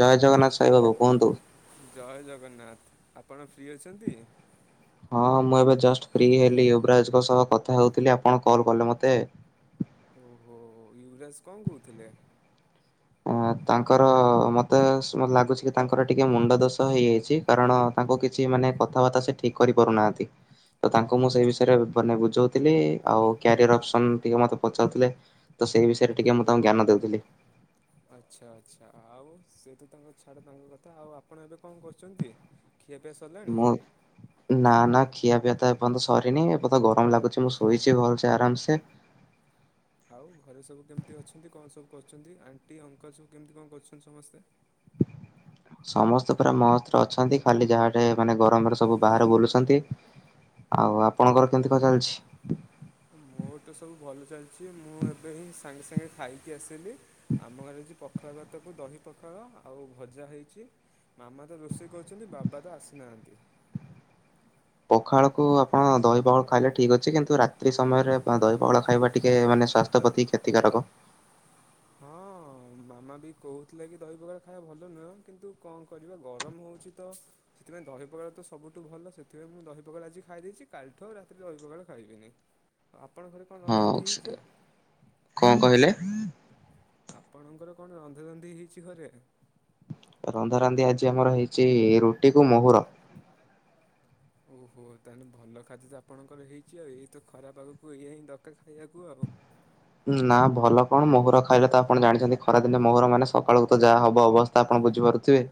ଜୟ ଜଗନ୍ନାଥ ସାଇ ବାବୁ କୁହନ୍ତୁ। ଜୟ ଜଗନ୍ନାଥ ଆପଣ ଫ୍ରି ଅଛନ୍ତି। ହଁ ମୁଁ ଏବେ ଜଷ୍ଟ ଫ୍ରି ହେଲି ଉବରାଜ ସହ କଥା ହଉଥିଲି ଆପଣ କଲ କଲେ ମତେ। ଓ ହୋ। ୟୁବରାଜ କଣ କହୁଥିଲେ ଅଁ ତାଙ୍କର ମୋତେ ମତେ ଲାଗୁଛି କି ତାଙ୍କର ଟିକିେ ମୁଣ୍ଡ ଦୋଷ ହେଇଯାଇଛି କାରଣ ତାଙ୍କୁ କିଛି ମାନେ କଥାବାର୍ତ୍ତା ସେ ଠିକ୍ କରିପାରୁନାହାନ୍ତି ତ ତାଙ୍କୁ ମୁଁ ସେଇ ଓହୋ ବିଷୟରେ ମାନେ ବୁଝୋଉଥିଲି ଆଉ କ୍ୟାରିୟର ଅପ୍ସନ ଟିକେ ମତେ ପଚାରୁଥିଲେ। ତ ସେଇ ବିଷୟରେ ଟିକେ ମୁଁ ତାଙ୍କୁ ଜ୍ଞାନ ଦେଉଥିଲି। ଆଚ୍ଛା ଆଚ୍ଛା ଆଉ ସେ ତ ତାଙ୍କ ଛାଡ ତାଙ୍କ କଥା ଆଉ ଆପଣ ଏବେ କଁ କରୁଛନ୍ତି? ଖିଆ ପିଆ ସରିଲା। ସ୍ରୋଗ୍ ନା ନା ଖିଆ ପିଆ ତ ଏପନ୍ତ ସରିନି ଏପନ୍ତ ଗରମ୍ ଲାଗୁଛି ମୁଁ ଶୋଇଛି ଭଲ୍ସେ ଆରାମ୍ସେ। ଆଉ ଘରେ ସବୁ କେମିତି ଅଛନ୍ତି କଁ ସବୁ କରୁଛନ୍ତି ଆଣ୍ଟି ଅଙ୍କଲ ସବୁ କେମିତି କଣ କରୁଛନ୍ତି ସମସ୍ତେ? ସମସ୍ତେ ପୁରା ମସ୍ତରେ ଅଛନ୍ତି ଖାଲି ଯାହାଟେ ମାନେ ଗରମରେ ସବୁ ବାହାରେ ବୁଲୁଛନ୍ତି। ଆଉ ଆପଣଙ୍କର କେମିତି କଁ ଚାଲିଛି? ହଁ ମୋର ତ ସବୁ ଭଲ ଚାଲିଛି ମୁଁ ଏବେ ହିଁ ସାଙ୍ଗେ ସାଙ୍ଗେ ଖାଇକି ଆସିଲି। ଆମ ଘରେ ଆଜି ପଖାଳ ଭାତକୁ ଦହି ପଖାଳ ଆଉ ଭଜା ହେଇଚି ମାମା ତ ରୋଷେଇ କରୁଛନ୍ତି ବାବା ତ ଆସିନାହାନ୍ତି। ପଖାଳକୁ ଆପଣ ଦହି ପାଉଳ ଖାଇଲେ ଠିକ୍ ଅଛି କିନ୍ତୁ ରାତ୍ରି ସମୟରେ ଆପ ଦହି ପାଉଳ ଖାଇବା ଟିକେ ମାନେ ସ୍ୱା ସ୍ଥ୍ୟ ପତି କ୍ଷତିକାରକ। ହଁ ମାମା ବି କୋହୁଥିଲା କି ଦହି ପଖାଳ ଖାଇବା ଭଲ ନୁହଁ କିନ୍ତୁ କଁ କରିବା ଗରମ ହୋଉଛି ତ? ସେଥିପାଇଁ ଦହି ପଖାଳ ତ ସବୁଠୁ ଭଲ ସେଥିପାଇଁ ମୁଁ ଦହି ପଖାଳ ଆଜି ଖାଇ ଦେଇେଇଛି କାଲଠୁ ଆଉ ରାତିରେ ଦହି ପଖାଳ ଖାଇବିନି। ଆଉ ଆପଣଙ୍କ ଘରେ କଁ ରନ୍ଧା ରନ୍ଧି ହେଇଛି? କଁ କହିଲେ? ଆପଣଙ୍କର କଣ ରନ୍ଧା ରନ୍ଧି ହେଇଛି ଘରେ? ରନ୍ଧା ରନ୍ଧି ଆଜି ଆମର ହେଇଚି ରୁଟି କୁ ମୋହୁର। ଓହୋ ତାହେନେ ଭଲ ଖାଦ୍ୟ ତ ଆପଣଙ୍କର ହେଇଛି ଆଉ ଏଇ ତ ଖରା ପାଗକୁ ଏଇଆ ହିଁ ଦକାର ଖାଇଆକୁ ଆଉ। ନା ଭଲ କଣ ମୋହୁର ଖାଇଲେ ତ ଆପଣ ଜାଣିଛନ୍ତି ଖରାଦିନେ ମୋହର ମାନେ ସକାଳୁକୁ ତ ଯାହା ହବ ଅବସ୍ ତ ଆପଣ ବୁଝିପାରୁଥିବେ?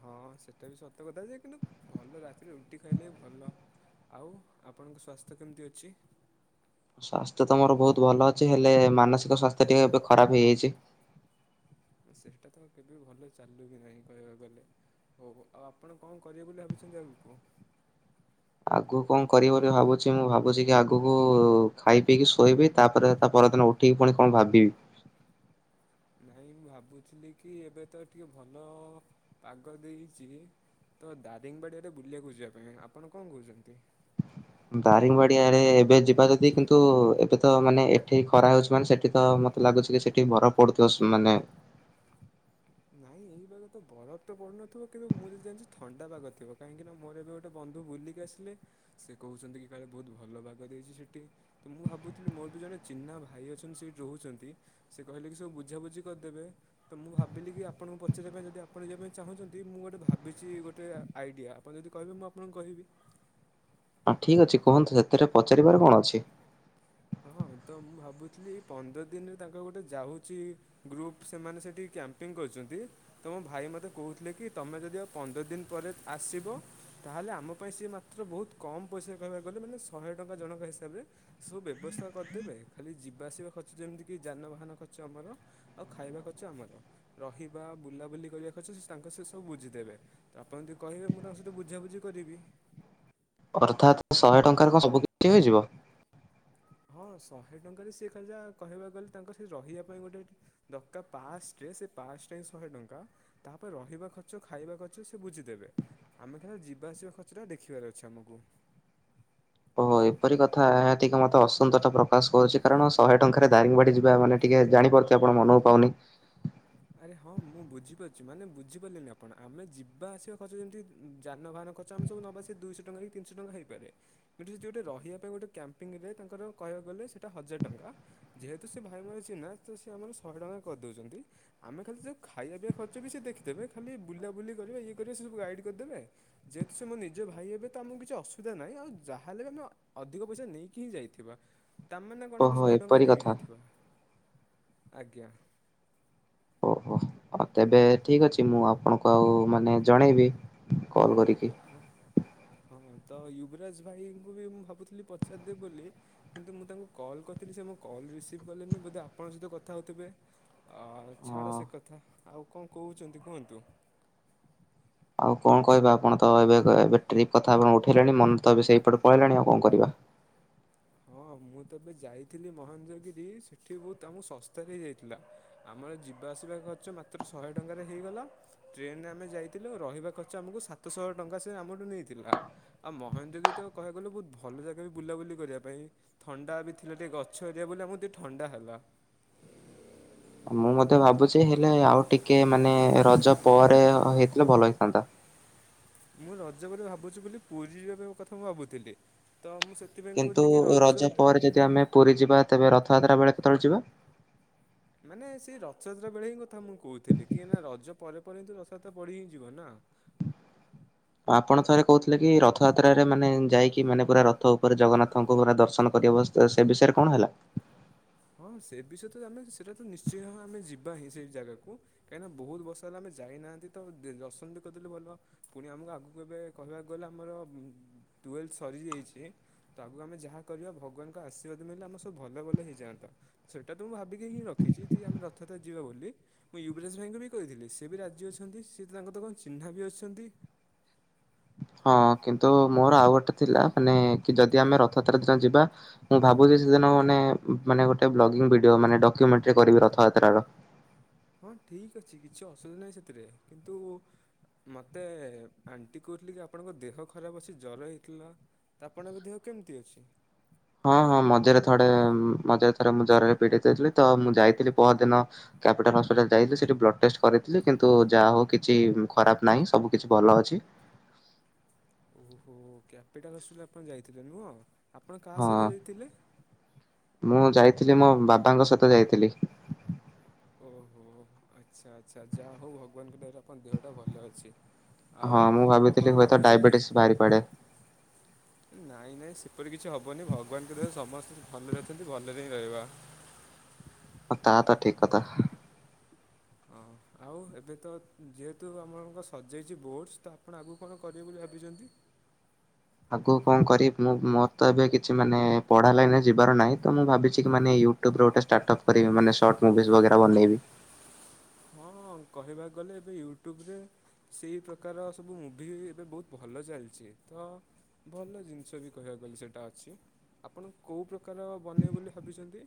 ହଁ ସେଟା ବି ସତ କଥା ଯେ କିନ୍ତୁ ଭଲ ରାତିରେ ରୁଟି ଖାଇଲେ ଭଲ। ଆଉ ଆପଣଙ୍କ ସ୍ୱାସ୍ଥ୍ୟ କେମିତି ଅଛି? ସ୍ୱାସ୍ଥ୍ୟ ତ ମୋର ବୋହୁତ୍ ଭଲ ଅଛି ହେଲେ ମାନସିକ ସ୍ୱାସ୍ଥ୍ୟ ଟିକେ ଏବେ ଖରାପ ହେଇଯାଇଛି। ଆ ସେଇଟା ତ କେବେ ଭଲ ଚାଲୁ ବି ନାହିଁ କହିବାକୁ ଗଲେ। ହୋଉ ହୋଉ ଆଉ ଆପଣ କଁ କରିବେ ବୋଲି ଭାବିଛନ୍ତି ଆଗୁକୁ? ଆଗୁକୁ କଁ କରିବ ବୋଲି ଭାବୁଛି ମୁଁ ଭାବୁଛି କି ଆଗୁକୁ ଖାଇ ପିଇକି ଶୋଇବି ତାପରେ ତା ପରଦିନ ଉଠ ଉଠିକି ପୁଣି କଁ ଭାବିବି। ନାଇଁ ମୁଁ ଭାବୁଛୁଲି କି ଏବେ ତ ଟିକେ ଭଲ ପାଗ ଦେଇଚି ତ ଦାରିଙ୍ଗବାଡ଼ିଆଡେ ବୁଲିଆକୁ ଯିବା ପାଇଁ ଆପଣ କଁ କୋଉଚନ୍ତି? ଦାରିଙ୍ଗବାଡିଆରେ ଏବେ ଯିବା ଯଦି କିନ୍ତୁ ଏବେ ତ ମାନେ ଏଠି ଖରା ହେଉଛି ମାନେ ସେଠି ତ ମତେ ମତେ ଲାଗୁଛି କି ସେଠି ବରଫ ପଡୁଥିବ ସୁ ମାନେ। ନାଇଁ ଏଇ ବାଗ ତ ବରଫ ତ ପଡୁନଥିବ କିନ୍ତୁ ମୁଁ ଯେତିକି ଜାଣିଛି ଥଣ୍ଡା ପାଗ ଥିବ କାହିଁକି ନା ମୋର ଏବେ ଗୋଟେ ବନ୍ଧୁ ବୁଲି କି ଆସିଲେ ସେ କୋହୁଛନ୍ତି କି କାଳେ ବୋହୁତ୍ ଭଲ ବିଗ ଦେଇଛି ସେଠି। ତ ମୁଁ ଭାବୁଥିଲି ମୋର ବି ଜଣେ ଚିହ୍ନା ଭାଇ ଅଛନ୍ତି ସେଠି ରୋହୁଛନ୍ତି। ସିଏ କହିଲେ କି ସବୁ ବୁଝାବୁଝି କରିଦେବେ ତ ମୁଁ ଭାବ୍ ଭାବିଲି କି ଆପଣଙ୍କୁ ପଚାରିବା ପାଇଁ ଯଦି ଆପଣ ଯିବା ପାଇଁ ଚାହୁଁଚନ୍ତି ମୁଁ ଗୋଟେ ଭାବିଚି ଗୋଟେ ଆ ଆଇଡ଼ିଆ ଆପଣ ଯଦି କହିବେ ମୁଁ ଆପ ଆପଣଙ୍କୁ କହିବି। ହଁ ଠିକ୍ ଅଛି କୁହନ୍ତୁ ସେଥିରେ ପଚାରିବାର କଣ ଅଛି? ହଁ ତ ମୁଁ ଭାବୁଥିଲି କି ପନ୍ଦର ଦିନ୍ ରେ ତାଙ୍କ ଗୋଟେ ଯାଉଚି। ଗ୍ରୁପ୍ ସେମାନେ ସେଠି କ୍ୟାମ୍ପିଙ୍ଗ କରୁଚନ୍ତି। ତମ ଭାଇ ମତେ କହୁଥିଲେ, କି ତମେ ଯଦି ଆଉ ପନ୍ଦର ଦିନ ପରେ ଆସିବ ତାହେଲେ ଆମ ପାଇଁ ସିଏ ବହୁତ କମ୍ ପଇସା କହିବାକୁ ଗଲେ ମାନେ ଶହେ ଟଙ୍କା ଜଣଙ୍କ ହିସାବରେ ଦେବେ। ବ୍ୟବସ୍ଥା କରିଦେବେ, ଖାଲି ଯିବାଆସିବା ଖର୍ଚ୍ଚ ଯେମିତିକି ଯାନବାହାନ ଖର୍ଚ୍ଚ ଆମର ଆଉ ଖାଇବା ଖର୍ଚ୍ଚ ଆମର, ରହିବା ବୁଲାବୁଲି କରିବା ଖର୍ଚ୍ଚ ତାଙ୍କ ସେ ସବୁ ବୁଝିଦେବେ। ତ ଆପଣ ଯଦି କହିବେ ମୁଁ ତାଙ୍କ ସହିତ ବୁଝାବୁଝି କରିବି। ଅର୍ଥାତ୍ ଶହେ ଟଙ୍କାରେ କଣ ସବୁ କିିଛି ହେଇଯିବ। ହଁ ଶହେ ଟଙ୍କାରେ ସେିଏ କା ଯାହା କହିବାକୁ ଗଲେ ତାଙ୍କ ସେ ରହିବା ପାଇଁ ଗୋଟେ ଦକା ପାଶରେ ସେ ପାଶଟା ହଁ ଶହେ ଟଙ୍କା। ତାପରେ ରହିବା ଖର୍ଚ୍ଚ ଖାଇବା ଖର୍ଚ୍ଚ ସେ ବୁଝିଦେବେ। ଆମେ ଖାଲି ଯିବା ଆସିବା ଖର୍ଚ୍ଚ ଟା ଦେଖିବାର ଅଛି ଆମକୁ। ଓହୋ ଏପରି କଥା, ଏହା ଟିକେ ମତେ ଅସନ୍ତୋଟା ପ୍ରକାଶ କରୁଛି କାରଣ ଶହେ ଟଙ୍କାରେ ଦାରିଙ୍ଗବାଡି ଯିବା ମାନେ ଟିକେ ଜାଣିପାରୁ ଆପଣ ମନକୁ ପାଉନି। ଆରେ ହଁ ମୁଁ ବୁଝିପାରୁଛି, ମାନେ ବୁଝିପାରିଲିନି ଆପଣ ଆମେ ଯିବା ଆସିବା ଖର୍ଚ ଯେମିତି ଯାନବାହାନ ଖର୍ଚ୍ଚ ସବ ନବା ସେ ଦୁଇଶହ ଟଙ୍କା କି ତିନିଶହ ଟଙ୍କା ହେଇପାରେ। ଯଦି ଗୋଟେ ରହିବା ପାଇଁ ଗୋଟେ କ୍ୟାମ୍ପିଙ୍ଗରେ ତାଙ୍କର କହିଵାକୁ ଗଲେ ସେଇଟା ହଜାର ଟଙ୍କା। ଯେହେତୁ ସେ ଭାଇମାନେ ଚିହ୍ନା ତ ସେ ଆମର ଶହେ ଟଙ୍କା କରିଦଉଛନ୍ତି। ଆମେ ଖାଲି ଯେଉଁ ଖାଇବା ପିଇବା ଖର୍ଚ୍ଚବି ସେ ଦେଖିଦେବେ। ଖାଲି ବୁଲାବୁଲି କରିବେ ଇଏ କରିବେ ସେ ସବୁ ଗାଇଡ଼୍ କରିଦେବେ। ଯେହେତୁ ସେ ମୋ ନିଜ ଭାଇ ହେବେ, ତ ଆମକୁ କିଛି ଅସୁବିଧା ନାହିଁ ଆଉ ଯାହ ହେଲେ ବି ଆମ, ଅଧିକ ପଇସା ନେଇକି ହିଁ ଯାଇଥିବା। ତାମାନେ କଣ ଆମେ ଓହୋ ଶହେ ଟଙ୍କା ଏପରି ନେଇକି କଥା ଯାଇଥିବା, ଆଜ୍ଞା। ଓହୋ। ଆଉ ତେବେ ଠିକ ଅଛି ମୁଁ ଆପଣଙ୍କୁ ଆଉ ମାନେ ଜଣେଇବି କଲ୍ କରିକି। ହ ହଁ ତ ୟୁବରାଜ ଭାଇଙ୍କୁ ବି ମୁଁ ଭାବୁଥିଲି ପଚାରିଦେବି ବୋଲି। କିନ୍ତୁ ମୁଁ ତାଙ୍କୁ କଲ୍ କରିଥିଲି ସେ ମୋ କଲ୍ ରିସିଭ୍ କଲେନି ବୋଧେ ଆପଣଙ୍କ ସହିତ କଥା ହେଉଥିବେ। ଅ ଛାଡ ହଁ। ସେ କଥା, ଆଉ କଣ କହୁଛନ୍ତି କୁହନ୍ତୁ। ଆଉ କଣ କହିବା ଆପଣ ତ ଏବେ ଏବେ ଟ୍ରିପ୍ କଥା ଆପଣ ଉଠେଇଲେଣି, ମମି ତ ଏବେ ସେଇପଟ ପଳେଇଲେଣି ଆଉ କଣ କରିବା। ହଁ ମୁଁ ତ ଏବେ ଯାଇଥିଲି ମହେନ୍ଦ୍ର ଗିରି ସେଠି ବହୁତ ଆମକୁ ଶସ୍ତାରେ ହେଇ ଯାଇଥିଲା। ଆମର ଯିବା ଆସିବା ଖର୍ଚ୍ଚ ମାତ୍ର ଶହେ ଟଙ୍କାରେ ହେଇଗଲା। ଟ୍ରେନରେ ଆମେ ଯାଇଥିଲୁ ରହିବା ଖର୍ଚ୍ଚ ଆମକୁ ସାତ ଶହ ଟଙ୍କା ସେ ଆମଠୁ ନେଇଥିଲା। ଆଉ ମହେନ୍ଦ୍ର ଗିରି ତ କହିବାକୁ ଗଲେ ବହୁତ ଭଲ ଜାଗା ବି ବୁଲାବୁଲି କରିବା, ପାଇଁ ଥଣ୍ଡା ବି ଥିଲା ଟିକେ ଗଛ ଏରିଆ ବୋଲି ଆମର ଟିକେ ଥଣ୍ଡା ହେଲା। ମୁଁ ମଧ୍ୟ ଭାବୁଛି ହେଲେ ଆଉ ଟିକେ ମାନେ ରଜ ପରେ ହେଇଥିଲେ ଭଲ ହେଇଥାନ୍ତା। ମୁଁ ରଜ ବୋଲି ଭାବୁଛି ବୋଲି ପୁରୀ ଯିବାପାଇଁ କଥା ମୁଁ ଭାବୁଥିଲି। ତ ମୁଁ ସେ ସେଥିପାଇଁ କିନ୍ତୁ କହୁଥିଲେ କି ରଜ, ପରେ ଯଦି ଆମେ ପୁରୀ ଯିବା ତେବେ ରଥଯାତ୍ରା ବେଳେ କେତେବେଳେ ଯିବା, ମାନେ ସେଇ ରଥଯାତ୍ରା ବେଳେ ହିଁ କଥା ମୁଁ କହୁଥିଲି କି ନା ରଜ ପରେ ପରେ ରଥଯାତ୍ରା ପଢି ହିଁ ଯିବ ନା। ଆପଣ ଥରେ କହୁଥିଲେ, କି ରଥଯାତ୍ରାରେ ମାନେ ଯାଇକି ମାନେ ପୁରା ରଥ ଉପରେ ଜଗନ୍ନାଥଙ୍କୁ ପୁରା ଦର୍ଶନ କରିହବ। ତ ସେ ବିଷୟରେ କଣ ହେଲା ହଁ ସେ ବିଷୟ ତ ଆମେ ସେଇଟା ତ ନିଶ୍ଚୟ, ହଁ ଆମେ ଯିବା ହିଁ ସେଇ ଜାଗାକୁ। କାହିଁକିନା ବହୁତ ବର୍ଷ ହେଲା ଆମେ ଯାଇନାହାନ୍ତି ତ ଦର୍ଶନ ବି କରିଦେଲେ ଭଲ। ପୁଣି ଆମକୁ ଆଗକୁ ଏବେ କହିବାକୁ ଗଲେ ଆମର ଟୁଏଲ ସରିଯାଇଛି। ତ ଆଗକୁ ଆମେ ଯାହା କରିବା, ଭଗବାନଙ୍କ ଆଶୀର୍ବାଦ ମିଳିଲେ ଆମେ ସବୁ ଭଲ ଭଲ ହେଇଯାଆନ୍। ସେଇଟା ତୁ ମୁଁ ଭାବିକି ହିଁ ରଖିଛି, କି ଆମେ ରଥଟା ଯିବା ବୋଲି। ମୁଁ ୟୁବିରାଜ ଭାଇଙ୍କୁ ବି କହିଥିଲି ସେ ବି ରାଜି ଅଛନ୍ତି ସିଏ ତାଙ୍କର କଣ ଚିହ୍ନା ବି ଅଛନ୍ତି। ହଁ କିନ୍ତୁ ମୋର ଆଉ ଗୋଟେ ଥିଲା, ମାନେ କି ଯଦି ଆମେ ରଥଯାତ୍ରା ଦିନ ଯିବା। ମୁଁ ଭାବୁଛି ସେଦିନ ମାନେ, ମାନେ ଗୋଟେବ୍ଲଗିଙ୍ଗ ଭିଡିଓ ମାନେ ଡକ୍ଯୁମେଣ୍ଟ ରେ କରିବି ରଥଯାତ୍ର ର। ହଁ ଠିକ୍ ଅଛି କିଛି ଅସୁବିଧା ନାହିଁ ସେଥିରେ, କିନ୍ତୁ ମୋତେ ଆଣ୍ଟି କହୁଥିଲେ କି ଆପଣଙ୍କ ଦେହ ଖରାପ ଅଛି ଜର ହେଇଥିଲା। ତ ଆପଣଙ୍କ ଦେହ କେମିତି ଅଛି? ହଁ ହଁ ମଝିରେ ଥଡ଼େ ମଝିରେ ଥରେ ମୁଁ ଜରରେ ପିଡିତ ଥିଲି ତ ମୁଁ ଯାଇଥିଲି ପହଦିନ। କ୍ୟାପିଟାଲ ହସ୍ପିଟାଲ ଯାଇଥିଲି ସେଠି ବ୍ଲଡ଼ ଟେଷ୍ଟ କରିଥିଲି କିନ୍ତୁ ଯାହା ହଉ କିଛି ଖରାପ ନାହିଁ ସବୁ କିଛି ଭଲ ଅଛି। ଓହୋ କ୍ୟାପିଟାଲ ହସ୍ପିଟାଲ ଆପଣ ଯାଇଥିଲେ ନୁହଁ, ଆପଣ କାହା ହଁ ସହିତ ଯାଇଥିଲେ? ମୁଁ ଯାଇଥିଲି ମୋ ବାବାଙ୍କ ସହିତ ଯାଇଥିଲି। ଓହୋ ଆଚ୍ଛା ଆଚ୍ଛା ଯାହଉ ଭଗବାନଙ୍କ ଦୟାରୁ ଆପଣ ଦେହଟା ଭଲ ଅଛି। ଆଉ ହଁ ମୁଁ ଆଉ ଭାବିଥିଲି କଣ ହୁଏତ ଭାବିଛନ୍ତି? ଡାଇବେଟିସ୍ ବାହାରି ପଡେ ନାଇଁ ନାଇଁ ସେପଟେ କିଛି ହବନି ଭଗବାନଙ୍କ ଦୟାରୁ ସମସ୍ତେ ଭଲରେ ଅଛନ୍ତି ଭଲରେ ହିଁ ରହିବା। ଅ ତା ତ ଠିକ୍ କଥା। ହଁ ଆଉ ଏବେ ତ ଯେହେତୁ ଆମମାନଙ୍କ ସଜେଇଛି ବୋଟସ୍, ତ ଆପଣ ଆଗକୁ କଣ କରିବେ ବୋଲି ଭାବିଛନ୍ତି? ଆଗକୁ କଣ କରିବି ମୁଁ ମୋର ତ ଏବେ କିଛି ମାନେ ପଢା ଲାଇନରେ ଯିବାର ନାହିଁ, ତ ମୁଁ ଭାବିଛି କି ମାନେ ୟୁ ୟୁଟ୍ୟୁବରୁ ଗୋଟେ ଷ୍ଟାର୍ଟପ କରିବି ମାନେ ସର୍ଟ ମୁଭିଜ୍ ବଗେରା ବନେଇବି। ହଁ କହିବାକୁ ଗଲେ ଏବେ ୟୁଟ୍ୟୁବରେ ସେଇ ପ୍ରକାର ସବୁ ମୁଭି ଏବେ ବହୁତ ଭଲ ଚାଲିଛି ତ ଭଲ ଜିନିଷ ବି କହିବାକୁ ଗଲେ ସେଇଟା ଅଛି। ଆପଣ କୋଉ ପ୍ରକାର ବନେଇବେ ବୋଲି ଭାବିଛନ୍ତି?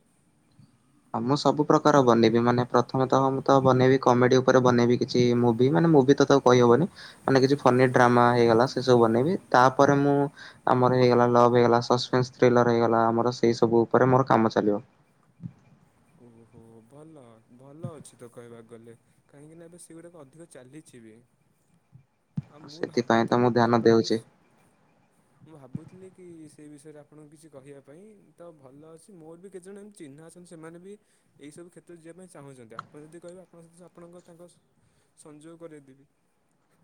ହଁ ମୁଁ ସବୁ ପ୍ରକାର ବନେଇବି ମାନେ ପ୍ରଥମେ ତଃ ମୁଁ ତ ବନେଇବି କମେଡି ଉପରେ ବନେଇବି କିଛି ମୁଭି, ମାନେ ମୁଭି ତ ତାକୁ କହିହବନି। ମାନେ କିଛି ଫନି ଡ୍ରାମା ହେଇଗଲା ସେ ସବୁ ବନେଇବି, ତାପରେ ମୁଁ ଆମର ହେଇଗଲା ଲଭ୍ ହେଇଗଲା, ସସ୍ପେନ୍ସ ଥ୍ରୀଲର ହେଇଗଲା ଆମର ସେଇ ସବୁ ଉପରେ ମୋର କାମ ଚାଲିବ। ଓହୋହୋ, ଭଲ ଭଲ ଅଛି ତ କହିବାକୁ ଗଲେ। କାହିଁକି ନା ଏବେ ସେଗୁଡାକ ଅଧିକ ଚାଲିଛି ବି। ଆଉ ମୁଁ ସେଥିପାଇଁ ତ ମୁଁ ଭାବୁଥିଲି ବି ଧ୍ୟାନ ଆପଣଙ୍କୁ ଦେଉଛି। ମୁଁ ଭାବୁଥିଲି କି ସେ ବିଷୟରେ ଆପଣଙ୍କୁ କିଛି କହିବା ପାଇଁ, ତ ଭଲ ଅଛି ମୋର ବି କେତେଜଣ ଏମ୍ ଚିହ୍ନା ଅଛନ୍ତି ସେମାନେ ବି ଏଇସବୁ କ୍ଷେତ୍ରରେ ଯିବା ପାଇଁ ଚାହୁଁଛନ୍ତି, ଆପଣ ଯଦି କହିବେ ଆପଣଙ୍କ [unintelligible] ଆପଣଙ୍କ ତାଙ୍କ ସହ ସଂଯୋଗ କରେଇଦେବି।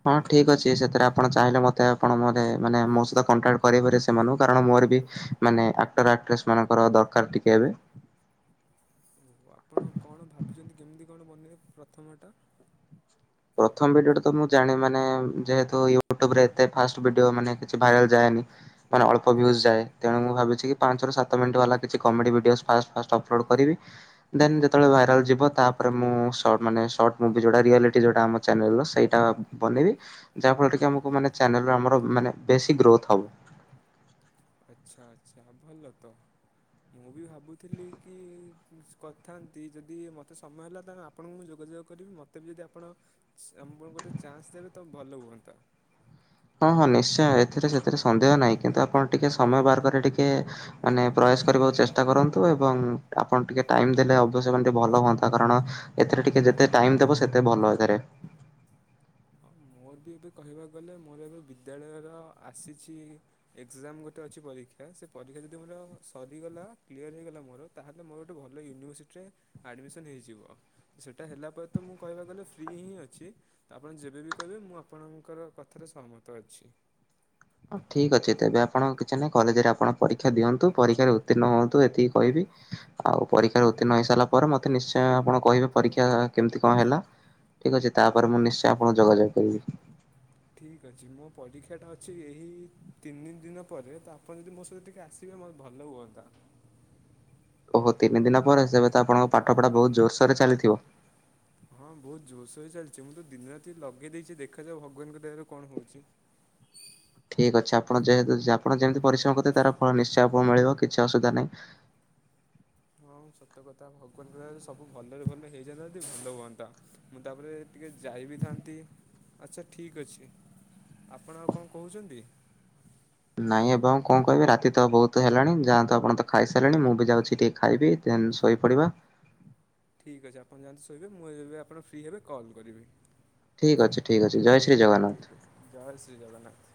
ହଁ ଠିକ୍ ଅଛି ସେଥିରେ ଆପଣ ଚାହିଁଲେ ମତେ ଆପଣ ମରେ ମାନେ ମୋ ସହିତ କଣ୍ଟାକ୍ଟ କରେଇପାରିବେ ସେମାନଙ୍କୁ କାରଣ ମୋର ବି ମାନେ ଆକ୍ଟର ଆକ୍ଟ୍ରେସ୍ ମାନଙ୍କର ଦରକାର ଟିକେ ଏବେ। ଓହୋ, ଆପଣ କଣ ଭାବିଛନ୍ତି କେମିତି କଣ ବନେଇବେ ପ୍ରଥମଟା? ପ୍ରଥମ ଭିଡିଓଟା ତ ମୁଁ ଜାଣେ ମାନେ ଯେହେତୁ ୟୁଟୁବରେ ଏତେ ଫାଷ୍ଟ ଭିଡିଓ ମାନେ କିଛି ଭାଇରାଲ ଯାଏନି। ମାନେ ଅଳ୍ପ ଭ୍ୟୁଜ୍ ଯାଏ, ତେଣୁ ମୁଁ ଭାବିଛି କି ପାଞ୍ଚରୁ ସାତ ମିଣ୍ଟ ବାଲା କିଛି comedy video fast fast upload କରିବି। ଦେନ୍ ଯେତେବେଳେ ଭାଇରାଲ ଯିବ ତାପରେ ମୁଁ ସର୍ଟ ମାନେ ସର୍ଟ ମୁଭି ଯୋଉଟା ରିଅଲି ଟି ଯୋଉଟା ଆମ ଚ୍ୟାନେଲର ସେଇଟା ବନେଇବି। ଯାହା ଫଳରେ କି ଆମକୁ ମାନେ ଚ୍ୟାନେଲରୁ ଆମର ମାନେ ବେଶୀ ଗ୍ରୋଥ୍ ହବ। ଆଚ୍ଛା ଆଚ୍ଛା, ଭଲ ତ। ମୁଁ ବି ଭାବୁଥିଲି କି କିଛି କରିଥାନ୍ତି ଯଦି ମତେ ସମୟ ହେଲା [unintelligible] ଆପଣଙ୍କୁ ମୁଁ ଯୋଗାଯୋଗ କରିବି ମୋତେ ବି ଯଦି ଆପଣ, ଆମ ବେଳକୁ ଗୋଟେ ଚାନ୍ସ ଦେବେ ତ ଭଲ ହୁଅନ୍ତା। ହଁ ହଁ ନିଶ୍ଚୟ ଏଥିରେ ସେଥିରେ ସନ୍ଦେହ ନାହିଁ କିନ୍ତୁ ଆପଣ ଟିକେ ସମୟ ବାହାର କରି ଟିକେ ମାନେ ପ୍ରୟାସ୍ କରିବାକୁ ଚେଷ୍ଟା କରନ୍ତୁ ଏବଂ ଆପଣ ଟିକେ ଟାଇମ୍ ଦେଲେ ଅବଶ୍ୟ ମାନେ ଟିକେ ଭଲ ହୁଅନ୍ତା କାରଣ ଏଥିରେ ଟିକେ ଯେତେ ଟାଇମ୍ ଦବ ସେତେ ଭଲ ଏଗାରେ। ହଁ ମୋର ବି ଏବେ କହିବାକୁ ଗଲେ ମୋର ଏବେ ବିଦ୍ୟାଳୟର ଆସିଛି ଏକ୍ଜାମ୍ ଗୋଟେ ଅଛି ପରୀକ୍ଷା, ସେ ପରୀକ୍ଷା ଯଦି ମୋର ସରିଗଲା କ୍ଲିଅର ହୋଇଗଲା ମୋର ତାହେଲେ ମୋର ଗୋଟେ ଭଲ ୟୁନିଭର୍ସିଟିରେ ଆଡ଼ମିସନ୍ ହେଇଯିବ। ସେଇଟା ହେଲା ପରେ ତ ମୁଁ କହିବାକୁ ଗଲେ ଫ୍ରି ହିଁ ଅଛି। ତ ଆପଣ ଯେବେବି କହିବେ ମୁଁ ଆପଣଙ୍କର କଥାରେ ସହମତ ଅଛି। ହଁ ଠିକ୍ ଅଛି ତେବେ ଆପଣ କିଛି ନାହିଁ କଲେଜରେ ଆପଣ ପରୀକ୍ଷା ଦିଅନ୍ତୁ ପରୀକ୍ଷାରେ ଉତ୍ତିର୍ଣ୍ଣ ହୁଅନ୍ତୁ ଏତିକି କହିବି। ଆଉ ପରୀକ୍ଷାରେ ଉତ୍ତୀର୍ଣ୍ଣ ହେଇସାରିଲା ପରେ ମତେ ନିଶ୍ଚୟ ଆପଣ କହିବେ ପରୀକ୍ଷା କେମିତି କଣ ହେଲା ଠିକ ଅଛି ତାପରେ ମୁଁ ନିଶ୍ଚୟ ଆପଣଙ୍କୁ ଯୋଗାଯୋଗ କରିବି। ଠିକ୍ ଅଛି ମୋ ପରୀକ୍ଷାଟା ଅଛି ଏହି ତିନି ଦିନ ପରେ ତ ଆପଣ ଯଦି ମୋ ସହିତ ଟିକେ ଆସିବେ ମୋତେ ଭଲ ହୁଅନ୍ତା। ଓହୋ ତିନି ଦିନ ପରେ ସେବେ ତ ଆପଣଙ୍କ ପାଠପଢା ବହୁତ ଜୋରସୋରରେ ଚାଲିଥିବ। ହଁ ବହୁତ ଜୋରସୋରରେ ଚାଲିଛି ମୁଁ ତ ଦିନ ରାତି ଲଗେଇ ଦେଇଛି ଦେଖାଯାଉ ଭଗବାନଙ୍କ ଦୟାରୁ କଣ ହଉଛି। ଠିକ୍ ଅଛି ଆପଣ ଯେହେତୁ ଆପଣ ଯେମିତି ପରିଶ୍ରମ କରିିଥିବେ ତାର ଫଳ ନିଶ୍ଚୟ ଆପଣଙ୍କୁ ମିଳିବ କିଛି ଅସୁବିଧା ନାହିଁ। ହଁ ସତ କଥା ଭଗବାନଙ୍କ ଦୟାରେ ସବୁ ଭଲରେ ଭଲରେ ହେଇଯାନ୍ତା ଯଦି ଭଲ ହୁଅନ୍ତା। ମୁଁ ତାପରେ ଟିକିଏ ଯାଇ ବିି ଥାନ୍ତି ଆଚ୍ଛା ଠିକ୍ ଅଛି ଆପଣ ଆଉ କଣ କହୁଛନ୍ତି? ନାଇଁ ଏବଂ କଣ କହିବି ରାତି ତ ବହୁତ ହେଲାଣି ଯାଆନ୍ତୁ ଆପଣ ତ ଖାଇସାରିଲେଣି ମୁଁ ବି ଯାଉଛି ଟିକେ ଖାଇବି ଦେନ ଶୋଇପଡ଼ିବା। ଠିକ୍ ଅଛି ଆପଣ ଯାଆନ୍ତୁ ଶୋଇବେ ମୁଁ ଯେବେ ଆପଣ ଫ୍ରି ହେବେ କଲ୍ କରିବି। ଠିକ୍ ଅଛି ଠିକ୍ ଅଛି ଜୟ ଶ୍ରୀ ଠିକ୍ ଜଗନ୍ନାଥ। ଅଛି ଜୟ ଶ୍ରୀ ଜଗନ୍ନାଥ।